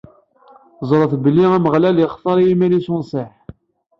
Ẓret belli Ameɣlal ixtar i yiman-is unṣiḥ.